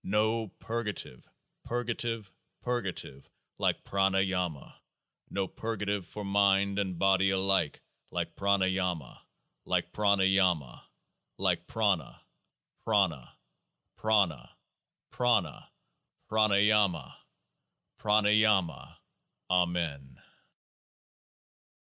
no purgative, purgative, purgative like Prana yama, no purgative for mind and body alike, like Pranayama, like Pranayama, like Prana — Prana — Prana — Prana — Pranayama !— Pranayama ! AMEN.